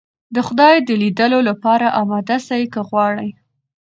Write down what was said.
د خدای د ليدلو لپاره اماده سئ که غواړئ.